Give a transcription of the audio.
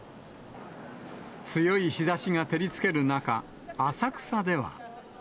強い日ざしが照りつける中、浅草では。